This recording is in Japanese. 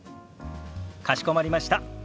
かしこまりました。